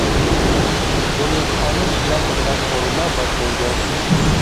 بۇنى قانۇن ئىجرا قىلىدىغان ئورۇنلار باشقۇرىدۇ.